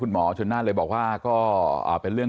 คุณหมอชนหน้าเนี่ยคุณหมอชนหน้าเนี่ย